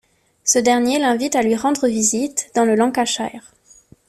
Ce dernier l'invite à lui rendre visite dans le Lancashire.